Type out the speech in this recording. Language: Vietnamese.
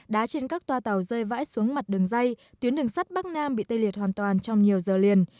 đá trên các toa tàu rơi vãi xuống mặt đường dây tuyến đường sắt bắc nam bị tê liệt hoàn toàn trong nhiều giờ liền